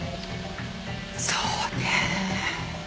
そうね。